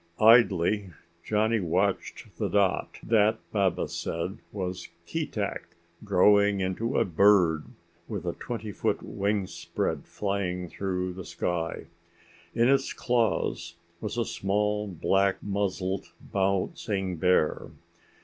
Idly, Johnny watched the dot, that Baba said was Keetack, grow into a bird with a twenty foot wing spread flying through the sky. In its claws was a small black muzzled bouncing bear.